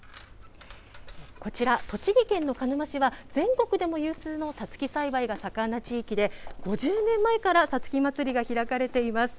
こちら、栃木県の鹿沼市は、全国でも有数のさつき栽培が盛んな地域で、５０年前からさつき祭りが開かれています。